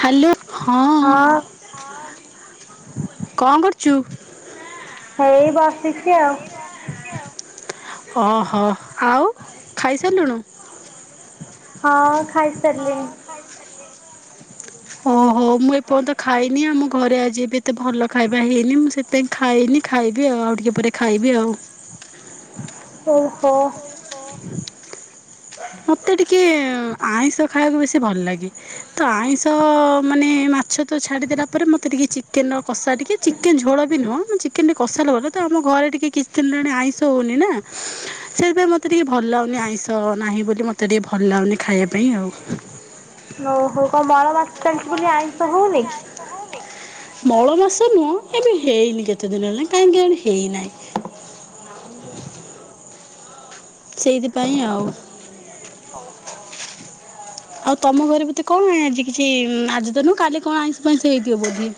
Hello ହଁ କଣ କରୁଚୁ? ହେଇ ବସିଚି ଆଉ। ଓହୋ ଆଉ ଖାଇସାଇଲୁଣୁ? ହଁ ଖାଇ ସାରିଲିଣି। ହ [unintelligible] ଓହୋ ମୁଁ ଏପର୍ଯ୍ୟନ୍ତ ଖାଇନି ଆମ ଘରେ ଆଜି ଏବେ ଏତେ ଭଲ ଖାଇବା ହେଇନି ମୁଁ ସେଥିପାଇଁ ଖାଇନି ଖାଇବି ଆଉ ଆଉ ଟିକେ ପରେ ଖାଇବି ଆଉ। ଓହୋ। ମତେ ଟିକେ ଆଇଁଷ ଖାଇବାକୁ ବେଶୀ ଭଲ ଲାଗେ। ତ ଆଇଁଷ ମାନେ ମାଛ ତ ଛାଡ଼ିଦେଲା ପରେ ମୋତେ ଟିକେ ଚିକେନ୍ କଷା ଟିକେ ଚିକେନ ଝୋଳ ବି ନୁହଁ ଚିକେନ ଟିକେ କଷା ଲଭର ତ ଆମ ଘରେ ଟିକେ କିଛି ଦିନ ହେଲାଣି ଆଇଁଷ ହଉନି ନା ସେଥିପାଇଁ ମ- ମୋତେ ଟିକେ ଭଲ ଲାଗୁନି ଆଇଁଷ ନାହିଁ ବୋଲି ମୋତେ ଟିକିେ ଭଲ ଲାଗୁନି ଖାଇବା ପାଇଁ ଆଉ। ହଉ ହଉ କଣ ମଳ ମାସି ଚାଲିଚି ବୋଲି ଆଇଁଷ ହଉନି? ମଳ ମାସ ନୁହଁ ଏବେ ହେଇନି କେତେ ଦିନ ହେଲା କାହିଁକି ଆଣେ ହେଇନାହିଁ। ସେଇଥିପାଇଁ ଆଉ। ଆଉ ତମ ଘରେ ବିତ କଣ ଆଜି କିଛି ଆଜି ତ ନୁହଁ କାଲି କଣ ଆଇଁଷ ଫାଇଁଷ ହେଇଥିବ ବୋଧେ?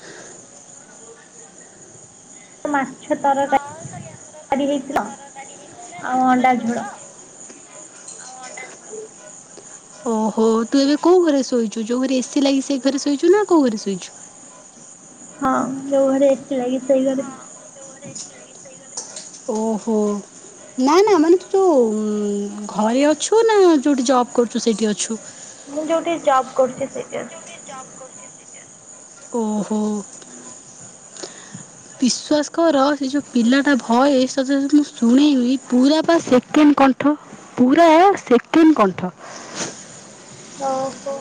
ମାଛ ତରକାରୀ ଆ ହେଇଥିଲା ଆଉ ଅଣ୍ଡା ଝୋଳ। ହ ଓହୋ ତୁ ଏବେ କୋଉ ଘରେ ଶୋଇଚୁ ଯୋଉ ଘରେ ଏସି ଲାଗି ସେ ଘରେ ଶୋଇଚୁ ନା କୋଉ ଘରେ ଶୋଇଚୁ? ହଁ ଯୋଉ ଘରେ ଏସି ଲାଗିଚି ସେଇ ଘରେ। ଓହୋ। ନା ନା ମାନେ ତୁ ଯୋଉ ଘରେ ଅଛୁ ନା ଯୋଉଠି ଜବ କରୁଚୁ ସେଇଠି ଅଛୁ? ମୁଁ ଯୋଉଠି ଜବ୍ କରୁଚି ସେଇଠି ଅଛି। ଓହୋ। ବିଶ୍ୱାସ କର ସେ ଯୋଉ ପିଲାଟା ଭଏସ୍ ତତେ ତ ମୁଁ ଶୁଣେଇବି ପୁରା ପା ସେ ସେକେଣ୍ଡ କଣ୍ଠ ପୁରା ସେକେଣ୍ଡ କଣ୍ଠ। ଓହୋ।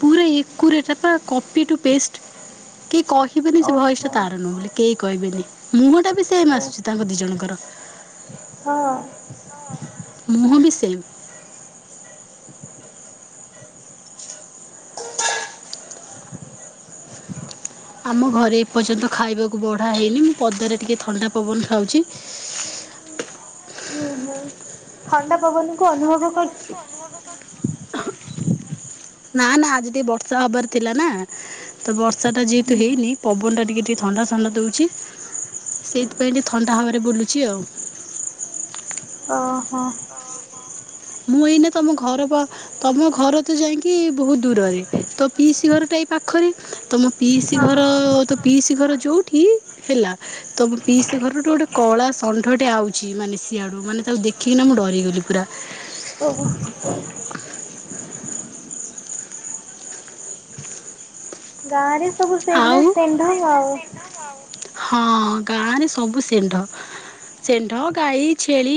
ପୁରା ଏକୁରେଟ୍ ପା କଫି ଟୁ ପେଷ୍ଟ କେଇ କ ହିବେନି ସେ ଭଏସ୍ ଓହୋ ତାର ନୁହେଁ ବୋଲି କେହି କହିବେନି ମୁହଁ ଟା ବି ସେମ୍ ଓ ଆସୁଚି। ତାଙ୍କ ଦିଇ ଜଣଙ୍କର ହଁ ମୁହଁ ବି ସେମ୍। ଆମ ଘରେ ଏପର୍ଯ୍ୟନ୍ତ ଖାଇବାକୁ ବଢ଼ା ହୋଇଇନି ମୁଁ ପଦାରେ ଟିକିଏ ଥଣ୍ଡା ପବନ ଖାଉଚି। ହୁଁ ହୁଁ ଥଣ୍ଡା ପବନ କୁ ଅନୁଭବ କରୁଚୁ। ନା ନା ଆଜି ଟିକେ ବର୍ଷା ହବାର ଥିଲା ନା। ତ ବର୍ଷା ଟା ଯେହେତୁ ହେଇନି ପବନ ଟା ଟିକେ ଟିକେ ଥଣ୍ଡା ଥଣ୍ଡା ଦଉଚି। ସେଇଥିପାଇଁ ଟିକେ ଥଣ୍ଡା ହାୱା ରେ ବୁଲୁଚି ଆଉ। ଓହୋ। ମୁଁ ଏଇନା ତମ ଘର ପା ତମ ଘର ତ ଯାଇଁକି ବହୁତ ଦୂରରେ। ତ ପିଇସି ଘରଟା ଏ ପାଖରେ ତମ ପିଇସି ହଁ ଘର ତ ପିଇସି ଘର ଯଉଠି ହେଲା। ତମ ପିସି ଘରଠୁ ଗୋଟେ କଳା ଷଣ୍ଢ ଟେ ଆଉଚି ମାନେ ସିଆଡୁ ମାନେ ତାକୁ ଦେଖିକିନା ମୁଁ ଡରିଗଲି ପୁରା। ଓହୋ [inaudible] ଗାଁରେ ସବୁ ସେଇଭଳିଆ ଆଉ ସେଣ୍ଢ ଆଉ। ହଁ ଗାଁ ରେ ସବୁ ଷେଣ୍ଢ। ସେଣ୍ଢ, ଗାଈ, ଛେଳି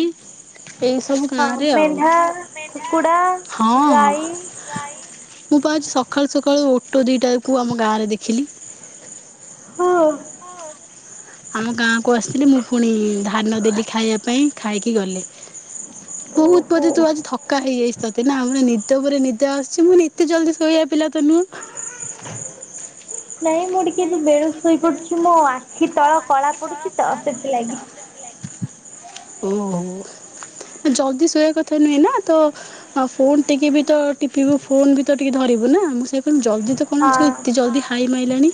ଏଇ ସବୁ ହଁ ଗାଁ ରେ ଆଉ ହଁ ମେଣ୍ଢା ମେଣ୍ଢା, କୁକୁଡ଼ା ଗାଈ ଗାଈ ମୁଁ ପା ଆଜି ସକାଳୁ ସକାଳୁ ଓଟୋ ଦିଟା କ ଆମ ଗାଁ ରେ ଦେଖିଲି। ହଁ। ଆମ ଗାଁକୁ ଆସିଥିଲି, ମୁଁ ପୁଣି ଧାନ ଦେଲି ଖାଇବା ପାଇଁ ଖାଇକି ଗଲେ। ବହୁତ ଓହୋ ବୋଧେ ତୁ ଆଜି ଥକା ହେଇଯାଇଛୁ ତତେ ନା ମର ନିଦ ପରେରେ ନିଦ ଆସୁଛି ମୁଁ ଏତେ ଜଲଦି ଶୋଇବା ପିଲ ତ ନୁହଁ? ନାଇଁ ମୁଁ ଟିକେ ବି ବେଳୁ ଶୋଇ ପୁଛି ମୋ ଆଖି ତଳ କଳା ପଡୁଛି ତ ସେଥିଲାଗି ଓହୋ। ଜଲଦି ଶୋଇବା କଥା ନୁହେଁ ନା ତ ଆଉ ଫୋନ୍ ଟିକେ ବି ତ ଟିପିଇବୁ ଫୋନ ଟିକେ ବି ତ ଧରିବୁ ନା ମୁଁ ସେ ଲଦି ତ କଣ ଆସିବ, ହଁ ଏତେ ଜଲଦି ହାଇ ମାଇଲାଣି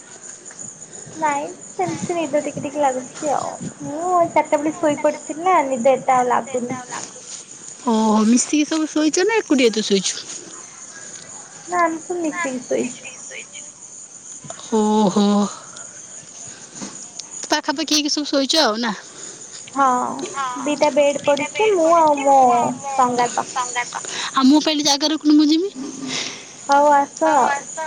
ନାଇ। ସେମିତି ନିଦ ଟିକେ ଟିକେ ଲାଗୁଛି ଆଉ। ମୁଁ ଚାରିଟା ବେଳେ ଶୋଇ ପଡିଥିଲ ନା ନିଦ ଏଟା ଆଉ ଲାଗୁଛି। ଓହୋ ମିଶିକି ସବୁ ଶୋଇଛ ନା? ଏକୁଟିଆ ତୁ ଶୋଇଛୁ? ନା ଆମେ ତବୁ ମିଶିକି ଶୋଇଛୁ। ସେଇ ଓହୋ। ପାଖାପାଖି ହେଇକି ସବୁ ଶୋଇଛ ଆଉ ନା? ହଁ ଦିଟା ବେଡ଼ ପଡ଼ିଛି, ମୁଁ ଆଉ ମୋ ସଙ୍ଗାତ। ସଙ୍ଗାତ। ଆଉ ମୁଁ କିଲଲି ଜାଗା ରଖୁନୁ ମୁଁ ଯିବି। ହଉ ଆଉ ଆସ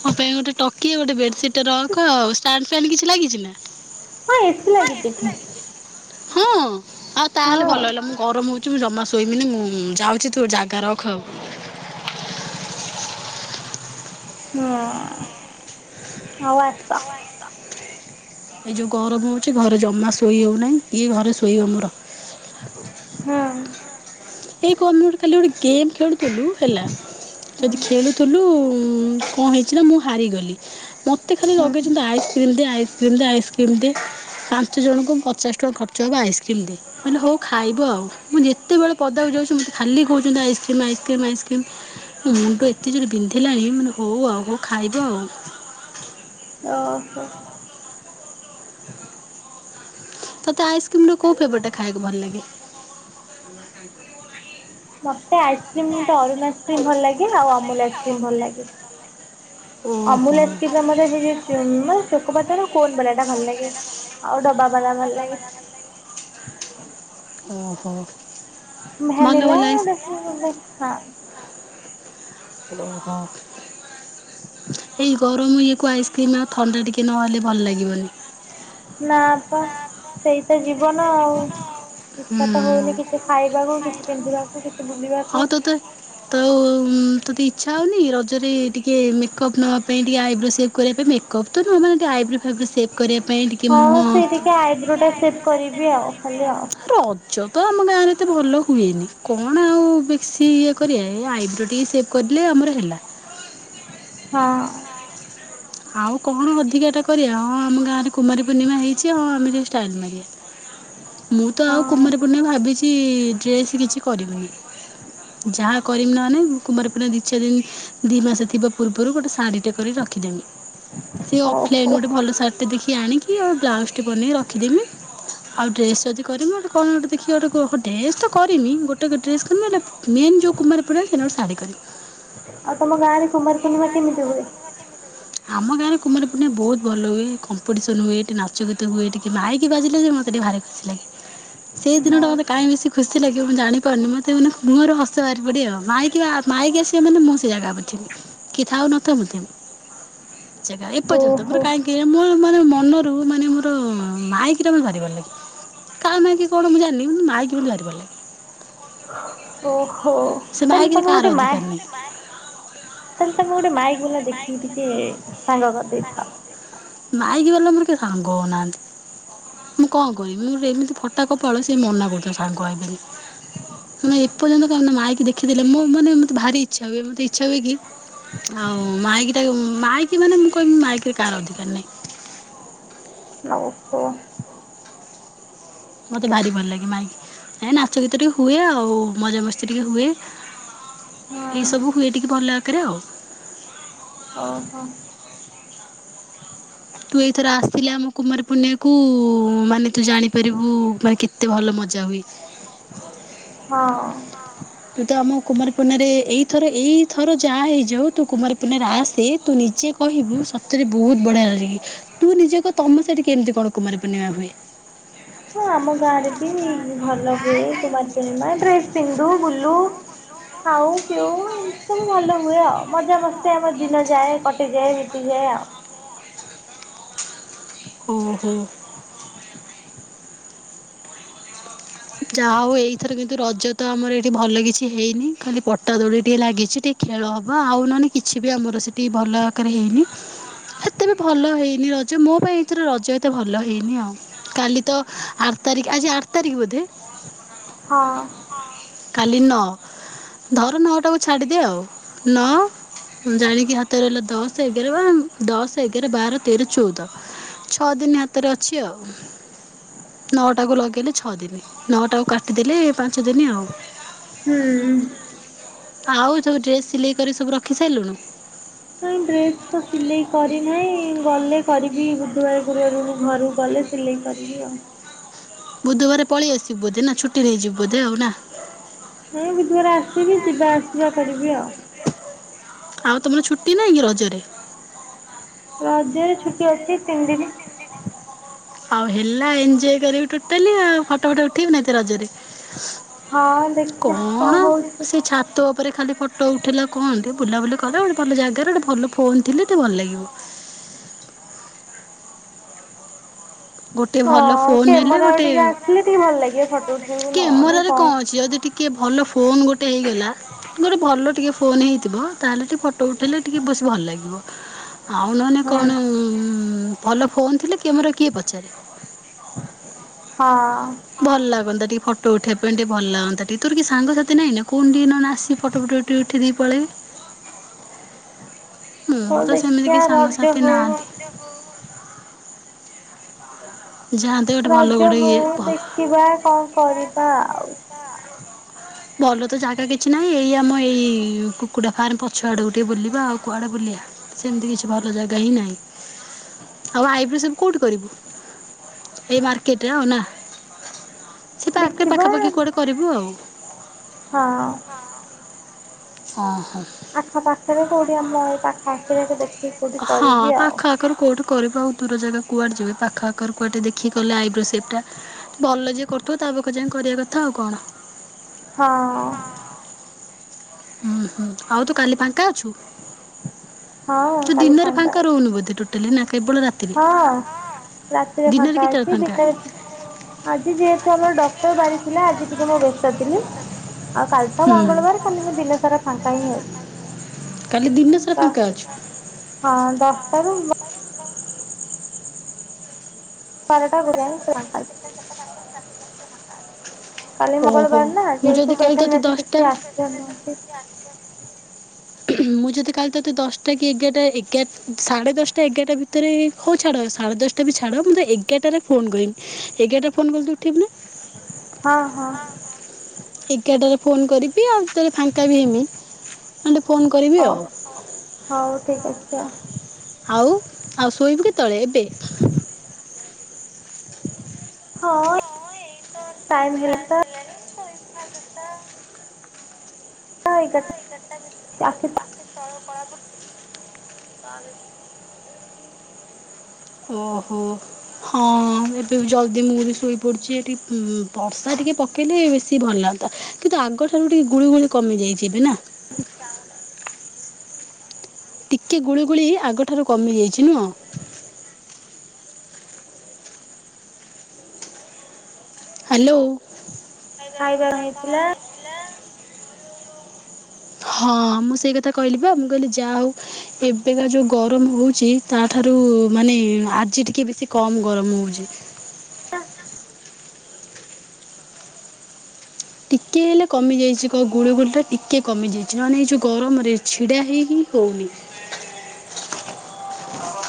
ମୋ ପାଇଁ ଗୋଟେ ଟକିଆ, ଗୋଟେ ବେଡସିଟ ତ ରଖ ଆଉ ଷ୍ଟାଣ୍ଡ ଫାନ କିଛି ଲାଗିଛି ନା? ହଁ ଏସି ଲାଗିଛି ଏଠି ହଁ। ଆଉ ତାହେଲେ ହଁ ଭଲ ହେଲା, ମୁଁ ଗରମ ହଉଛି ମୁଁ ଜମା ଶୋଇମିନି, ମୁଁ ଯାଉଛି ତୁ ଜାଗା ରଖ ଆଉ। ହୁଁ ହଉ ଆସ। ଏ ଯେଉଁ ଗରମ ହେଉଛି, ଘରେ ଜମା ଶୋଇ ହେଉନାହିଁ। ଇଏ ଘରେ ଶୋଇବ ମୋର ହଁ। ଏଇ କମ୍ପ୍ୟୁଟର ଖାଲି ଗୋଟେ ଗେମ୍ ଖେଳୁ ଖେଳୁଥିଲୁ ହେଲା ହୁଁ ଯଦି ଖେଳୁଥିଲୁ କଣ ହେଇଛି ନା ମୁଁ ହାରିଗଲି। ମୋତେ ଖାଲି ହୁଁ ଲଗେଇଛନ୍ତି ଆଇସ୍କ୍ରିମ୍ ଦେ, ଆଇସ୍କ୍ରିମ୍ ଦେ, ଆଇସ୍କ୍ରିମ୍ ଦେ। ପାଞ୍ଚ ଜଣଙ୍କୁ ପଚାଶ ଟଙ୍କା ଖର୍ଚ୍ଚ ହବ ଆଇସ୍କ୍ରିମ ଦେ, ମାନେ ହଉ ଖାଇବ ଆଉ। ମୁଁ ଯେତେବେଳେ ପଦକ ଯାଉଛନ୍ତି, ମୋତେ ଖାଲି କାଉଛନ୍ତି ଆଇସ୍କ୍ରିମ୍, ଆଇସ୍କ୍ରିମ୍, ଆଇସ୍କ୍ରିମ୍। ମୁଣ୍ଡ ଏତେ ଜୋରେ ବିନ୍ଧିଲାଣି, ମାନେ ହଉ ଆଉ ହଉ ଖାଇବ ଆଉ। ଓହ। ତତେ ଆଇସକ୍ରିମ ର କୋଉ ଫ୍ଲେଭର ଟା ଖାଇବାକୁ ଭଲ ଲାଗେ? ମତେ ଆଇସ୍କ୍ରିମ ରୁ ଅରୁଣ ଆଇସ୍କ୍ରିମ୍ ଭଲ ଲାଗେ, ଆଉ ଅମୁଲ ଆଇସ୍କ୍ରିମ୍ ଭଲ ଲାଗେ। ଓହୋ। ଅମୁଲ ଓହୋ ଭଲ ମ ସେ ଯୋଉେ ଚୋକଲାଟେ ର କୋନ ବାଲା ଟା ଭଲ ଲାଗେ। ଆଉ ଡବା ବାଲା ଭଲ ଲାଗେ। ଓହୋ। [unintelligible] ଓ ହଁ। ଏଇ ଗରମ ଇଏକୁ ଆଇସ୍କ୍ରିମ ଆଉ ଥଣ୍ଡା ଟିକେ ନହଲେ ଭଲ ଲାଗିବନି। ନାପା ସେଇ ତ ଯିବନ ଆଉ ଇଚ୍ଛା ତ ହଉନି ହୁଁ। କିଛି ଖାଇବାକୁ କିଛି ପିନ୍ଧିବାକୁ କିଛି ବୁଲିବାକୁ। ତୁ ତତେ ଇଚ୍ଛା ହଉନି ରଜରେ ଟିକେ ମେକଅପ୍ ନବା ପାଇଁ ଟିକେ ଆଇବ୍ରୋ ସେପ୍ କରିବା ପାଇଁ? ମେ କପ [unintelligible] ଆଇବ୍ରୋ ଫାଇବ୍ରୋ ସେପ୍ କରିବା ପାଇଁ ଟି ହଁ ସେ ଟିକେ ଆଇବ୍ରୋ ଟା ସେପ୍ କରିବି ଆଉ ଖାଲି ଆଉ। [unintelligible] ତ ଆମ ଗାଁରେ ଏତେ ଭଲ ହୁଏନି। କଣ ଆଉ ବେଶି ଇଏ କରିବା ଏ ଆଇବ୍ରୋ ଟିକେ ସେଭ୍ କରଲେ ଆମର ହେଲା। ହଁ। ଆଉ କଣ ଅଧିକା ଟା କରିବା ହଁ ଆମ ଗାଁରେ କୁମାରୀ ପୂର୍ଣ୍ଣିମା ହେଇଚି ହଁ ଆମେ ଟିକେ ଷ୍ଟାଇଲ ମାରିବା। ମୁଁ ତ ଆଉ ହଁ କୁମାରୀ ପୂର୍ଣ୍ଣି ଭାବିଚି ଡ୍ରେସ୍ କିଛି କରିବିନି। ଯାହା କରିମି ନାହାନେ କୁମାର ପୁଣିମା ଦି ଚାରି ଦିନ ଦି ମାସ ଥିବା ପୂର୍ବରୁ ଗୋଟେ ଶାଢୀ ଟେ କରି ରଖିଦେମି। ସେ ଅଫଲାଇନ ଓହୋ ଗୋଟେ ଭଲ ସାର୍ଟ ଦେଖି ଆଣିକି ଆଉ ବ୍ଲାଉଜଟି ବନେଇକି ରଖିଦେମି। ଆଉ ଡ୍ରେସ ଯଦି କରମି ଗୋ କଣ ଗୋଟେଖି ଗେ ଡ୍ରେସ ତ କରିନି ଗୋଟେ ଡ୍ରେସ କରିମି ମେନ୍ ଯଉ କୁମାର ପଡ଼ା ସେଦିନ ଗୋଟେ ସାଢ଼ି କରିମି। ଆଉ ତମ ଗାଁ ରେ କୁମାର ପୂର୍ଣ୍ଣିମା କେମିତି ହୁଏ? ଆମ ଗାଁରେ କୁମାରପୂର୍ଣି୍ମା ବହୁତ ଭଲ ହୁଏ କମ୍ପିଟିସନ୍ ହୁଏ ଏଠି ନାଚ ଗୀତ ହୁଏ ଟିକ କି ମାଇକି ବାଜିଲେ ଯେ ମୋତ ଟିକେ ଭାରି ଖୁସି ଲଗେ। ସେଇ ଦିନଟା ମତେ କାହିଁ ଓହୋ ବେଶସି ଖୁସି ଲାଗିବ ମୁଁ ଜାଣି ପାରୁନି ମତେ ମାନେ ମୁଁର ହସ ବାହାରି ପଡିିବ ଆଉ। ମାଇ ମାଇକି ଆସିବ ମାନେ ମୁଁ ସେ ଜାଗା ଉପରେ ଥିବି କିଏ ଥାଉ ନଥାଉ ମୁଁ ଥିବି। ଏ ପର୍ଯ୍ୟନ୍ତ ମୋର କହିଁ ମୋ ମାନେ ମନରୁ ମାନେ ମୋର ମାଇକିଟା ମତେ ଭାରି ଭଲ ଲଗେ। କା ମାଇକି କଣ ମୁଁ ଜାଣିନି ମୁଁ ମାଇକି ମତେ ଭାରି ଭଲ ଲଗେ। ହ ସେ ତାହେଲେ ମାଇକିରେ ତମେ କାହାର ଗୋଟେ ମା ଅଧିକାର ନାହିଁ ତାହେଲେ ତମେ ଗୋଟେ ମାଇକ ବଲା ଦେଖିକି ଟିକେ ସାଙ୍ଗ କରିଦେଇଥାଅ। ମାଇକି ବାଲା ମୋର କିଏ ସାଙ୍ଗହୋଉନାହାନ୍ତି। ମୁଁ କଣ କରିବି ମୁ ଗୋଟେ ଏମିତି ଫଟାକଫଳ ସେ ମନା କରୁଥ ସାଙ୍ଗ ହେବିନି। ମାନେ ଏପର୍ଯ୍ୟନ୍ତ କ ମାକି ଦେଖିେଲେ ମାନେ ମୋତେ ଭାରି ଇଛା ହୁଏ ମତେ ଇଚଛା ହୁଏ କି ଆଉ ମାଇକି ଟା ମାଇକି ମାନେ ମୁଁ କହିବି ମାଇକୀରେ କାହାର ଅଧିକାର ନାହିଁ। ଓହୋ। ମତେ ଭାରି ଭଲ ଲାଗେ ମାଇକି। ଏ ନାଚ ଗୀତ ଟିକେ ହୁଏ ଆଉ ମଜା ମସ୍ତି ଟିକେ ହୁଏ। ହଁ ଏଇ ସବୁ ହୁଏ ଟିକେ ଭଲ ଆକାରରେ ଆଉ। ଓହୋ। ତୁ ଏଇଥର ଆସିଲେ ଆମ କୁମାର ପୁଣ୍ଣିଆକୁ ମାନେ ତୁ ଜାଣିପାରିବୁ ମାନେ କେତେ ଭଲ ମଜା ହୁଏ। ହଁ। ତୁ ତ ଆମ କୁମାରୀପୂର୍ଣାରେ ଏଇଥର ଏଇଥର ଯାହା ହେଇଯାଉ ତୁ କୁମାରୀପୂର୍ଣରେ ଆସେ ତୁ ନିଜେ କହିବୁ ସତରେ ବହୁତ ବଢିଆ ଲ କି ତୁ ନିଜକୁ ତମ ସହିଠ କେମିତି କଣ କୁମାର ପୂର୍ଣ୍ଣିମା ହୁଏ? ହଁ ଆମ ଗାଁରେ ବି ଭଲ ହୁଏ କୁମାର ପୂର୍ଣ୍ଣିମା। ଡ୍ରେସ୍ ପିନ୍ଧୁ ବୁଲୁ ଖାଉ ପିଉ ଏ ସବୁ ଭଲ ହୁଏ ଆଉ। ମଜା ମସ୍ ଆମ ଦିନ ଯାଏ କଟିଯାଏ ବିତିଯାଏ ଆଉ। ଓହୋ। ଯାହା ହଉ ଏଇଥର କିନ୍ତୁ ରଜ ତ ଆମର ଏଇଠି ଭଲ କିଛି ହେଇନି ଖାଲି ପଟା ଦୋଳି ଟିଏ ଲାଗିଛି, ଟି ଖେଳ ହବ ଆଉ ନନେ କିଛି ବି ଆମର ସେଠି ଭଲ ଆକାରେ ହେଇନି। ଏତେ ବି ଭଲ ହେଇନି ରଜ ମୋ ପାଇଁ ଏଥିରେ ରଜ ଏତେ ଭଲ ହେଇନି ଆଉ। କାଲି ତ ଆଠ ତାରିଖ, ଆଜି ଆଠ ତାରିଖ ବୋଧେ? ହଁ। କାଲି ନଅ ଧର ନଅ ଟାକୁ ଛାଡିଦିଅ ଆଉ, ନଅ ହଁ ଜାଣିକି ହାତରେ ରହିଲା ଦଶ ଏଗାର, ଦଶ, ଏଗାର ବାର, ତେର, ଚଉଦ ଛଅ ଦିନ ହାତରେ ଅଛି ଆଉ, ନଅଟା କୁ ଲଗେଇଲେ ଛଅ ଦିନି। ନଅଟାକୁ କାଟିଦେଲେ ପାଞ୍ଚ ଦିନ ଆଉ। ହୁଁ। ଆଉ ସବୁ ଡ୍ରେସ୍ ସିଲେଇ କରି ସବୁ ରଖି ସାରିଲୁଣୁ? ନାଇଁ ଡ୍ରେସ୍ ତ ସିଲେଇ କରିନାହିଁ, ଗଲେ କରିବି ବୁଧବାର ଗୁରୁବାର ମୁଁ ଘରୁ ଗଲେ ସିଲେଇ କରିବି ଆଉ। ବୁଧବାର ପଳେଇ ଆସିବୁ ବୋଧେ ନା ଛୁଟି ନେଇଯିବୁ ବୋଧେ ଆଉ ନା? ହଁ ବୁଧବାର ଆସିବି ଯିବା ଆସିବା କରିବି ଆଉ। ଆଉ ତୋମର ଛୁଟି ନହିଁ କି ରଜରେ? ରଜରେ ଛୁଟି ଅଛି ତିନି ଦିନ। ଆଉ ହେଲା ଏନଜୟ କରିବି ଟୋଟାଲି ଆଉ ଫଟୋ ଫଟୋ ଉଠେଇବୁ ନା ଏଥ ରଜରେ? ହଁ ଦେଖିବା କଣ ହଉଛି ସେ ଛାତ ଉ ପରେ ଖାଲି ଫଟୋ ଉଠିଲା କୁହନ୍ତି, ବୁଲାବୁଲି କଲେ ଗୋଟେ ଭଲ ଜାଗାରେ ଗୋଟେ ଭଲ ଫୋନ୍ ଥିଲେ ଟିକେ ଭଲ ଲାଗିବ। ଗୋଟେ ଭଲ ହଁ ଫୋନ୍ ହେଲେ କ୍ୟାମେରା ଗୋଟେ ଟିକେ ଆସିଲେ ଟିକେ ଭଲ ଲାଗିବ ଫଟୋ ଉଠେଇବାକୁ ନହେଲେ କ୍ୟାମେରାରେ କଣ ଅଛି ଯଦି ଟି କେ ଭଲ ଫୋନ୍ ଗୋଟେ ହେଇଗଲା ଗୋଟେ ଭଲ ଟିକେ ଫୋନ୍ ହେଇଥିବ, ତାହେଲେ ଟିକେ ଫଟୋ ଉଠେଇଲେ ଟିକେ ବେଶୀ ଭଲ ଲାଗିବ। ଆଉ ନହେନେ ହୁଁ କଣ ଉଁ, ଭଲ ଫୋନ୍ ଥିଲେ କ୍ୟାମେରା କିଏ ପଚାରେ। ହଁ। ଭଲ ଲାଗନ୍ତା ଟିକେ ଫଟୋ ଉଠେଇବା ପାଇଁ, ଟିକେ ଭଲ ଲାଗନ୍ତା ଟିକେ, ତୋର କେଇ ସାଙ୍ଗସାଥି ନାଇଁ ନା କହୁନୁ ଟିକେ ନନେ ଆସି ଫଟୋ ଫଟୋ ଟିକେ ଉଠି ଦେଇ ପଳେଇ ହଁ ମୋର ତ ସେମିତି କି ଦେଖିଆ ସାଙ୍ଗସାଥି ରଜକୁ ମୋ ନାହାନ୍ତି। ଯାଆନ୍ତେ ଗୋଟେ ଭଲ ଗୋଡେ ଇଏ ପହ ଖିବା କଣ କରିବା ଆଉ। ଭଲ ତ ଜାଗା କିଛି ନାହିଁ ଏଇ ଆମ ଏଇ କୁକୁଡା ଫାର୍ମ ପଛୁଆଡକୁ ଟିକେ ବୁଲିବା ଆଉ କୁଆଡେ ବୁଲିବା। ସେମିତି କିଛି ଭଲ ଜାଗା ହିଁ ନାହିଁ, ଆଉ ଆଇବ୍ରୋ ସେଭ୍ କୋଉଠି କରିବୁ? ଏଇ ମାର୍କେଟ୍ ରେ ଆଉ ନା ସେ ପାଖେ ଦେଖିବା ପାଖାପାଖି କୁଆଡେ କରିବୁ ଆଉ। ହଁ। ଓ ହୋ। ଆଖପାଖରେ କୋଉଠି ଆମ ଏଇ ପାଖଆଖରେ କୋଉଠି ଦେଖି ହଁ ପାଖଆ ଖର କୋଉଠି କରିବି ଆଉ ଦୂର ଜାଗା କୁଆଡେ ଯିବେ ପାଖ ଆଖରେ କୁଆଡେ ଟିକେ ଦେଖିକି କଲେ ଆଇବ୍ରୋ ସେପ୍ ଟା। ଭଲ ଯିଏ କରୁଥିବ ତା ପାଖରେ ଯାଇ କରିବା କଥା ଆଉ କଣ। ହଁ। ହୁଁ, ହୁଁ ଆଉ ତୁ କାଲି ଫାଙ୍କା ଅଛୁ? ହଁ ତୁ କାଲି ଦିନରେ ଫାଙ୍କା ଅଛି ରହୁନି ବୋଧେ ଟୋଟାଲି ନା? କେବଳ ରା ହଁ ରାତିରେ ଫାଙ୍କା ଅଛି, ଦିନରେ ଆଜି ଯେହେତୁ ଆମର ଡକ୍ଟର୍ ବାରି ଥିଲା ଆଜି ଟିକେ ମୁଁ ବ୍ୟସ୍ତ ଥିଲି। ଆଉ କାଲି ତ ହୁଁ ମଙ୍ଗଳବାର କାଲି ମୁଁ ଦିନ ସାରା ଫାଙ୍କା ହିଁ ଅଛି କାଲି ଦିନ ସାରା ତ ଫାଙ୍କା ଅଛ ହଁ ଦଶଟାରୁ ଵ ମାରଟା ଗୁଡ଼ାନ ତଙ୍କାଲ [unintelligible] କାଲି ଓହୋ ମଙ୍ଗଳବାର ନା ମୁଁ ଯଦି ଯେହେତୁ ପେସେନ୍ ମେସ କିଛି ଆସିପାରୁନାହାନ୍ତି ହ [unintelligible] ମୁଁ ଯଦତି କାଲି ତୋତେ ଦଶଟା ଏଗାର୍ଟା ଏଗା ସାଢ଼େ ଦଶଟା ଏଗାର୍ଟା ଭିତ ମତରେ ହଉ ଛାଡ଼ ସାଢ଼େ ଦଶଟା ବି ଛାଡ଼ ମ ମୁଁ ତ ଏଗାରଟାରେ ଫୋନ୍ କରିବମି ଏଗାରଟାରେ ଫୋନ୍ କଲେ ତ ଉଠିବୁ ନା ହଁ ହଁ ଏଗାରଟାରେ ଫୋନ କରିବି ଆଉରେ ଫାଙ୍କା ବି ହେମି ନ୍ତେ ଫୋନ କରିବି ଆଉ ହଉ ହଉ ହଉ ଠିକ୍ ଅଛି ଆଉ ଆଉ ଆଉ ଶୋଇବୁ କେତେବେଳେ ଏବେ ହଁ ଟାଇମ ହେନ୍ ତ ଇତା [unintelligible] ହଁ ଏଗାରଟା ଏଇଟା ବି ତ ଆଖି ତଳ ଟା କଳା ପଡୁଛି ଓହୋ ହଁ ଏବେ ଜଲଦି ମୁଁ ବି ଶୋଇ ପଡୁଛି ଏଠି ବର୍ ସ୍ ତା ଟିକେ ପକେଇଲେ ବେଶୀ ଭଲ ଲାଗନ୍ତା କିନ୍ତୁ ଆଗଠାରୁ ଟିକେ ଗୁଳିୁ ଗୁଳି କମିଯାଇଛି ଏବେ ନା ଟିକେ ଗୁଳିୁଗୁଳି ଆଗଠାରୁ କମିଯାଇଛି ନୁହଁ ହ୍ୟାଲୋ ଖାଇବା ପିଇବା କଣ ହେଇଥିଲା ହଁ ମୁଁ ସେଇ କଥା କହିଲି ପା ମୁଁ କହିଲି ଯାହା ହଉ ଏବେକା ଯୋଉ ଗରମ ହଉଛି, ତାଠାରୁ ମାନେ ଆଜି ଟିକେ ବେଶୀ କମ୍ ଗରମ ହଉଛି। ଟିକେ ହେଲେ କମିଯାଇଛି, କ ଗୁଳୁଗୁଳି ଟା ଟିକେ କମିଯାଇଛି, ନହେନେ ଏଇ ଯୋଉ ଗରମରେ ଛିଡ଼ା ହେଇହିଁ ହଉନି।